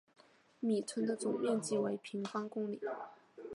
米村的总面积为平方公里。